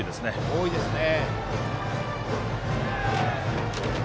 多いですね。